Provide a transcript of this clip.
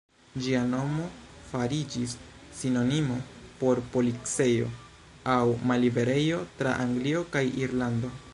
Ĝia nomo fariĝis sinonimo por policejo aŭ malliberejo tra Anglio kaj Irlando.